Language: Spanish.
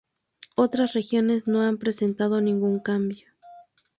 Otras regiones no han presentado ningún cambio.